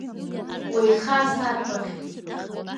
Уеиха, сарбаӷь!